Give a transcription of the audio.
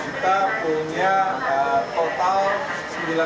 kita punya total sembilan puluh enam kereta